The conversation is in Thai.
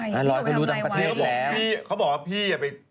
เขาบอกปีกเขาบอกปีกอย่าไป